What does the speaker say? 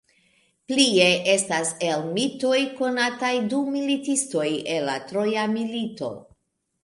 Plie estas el mitoj konataj du militistoj el la Troja milito.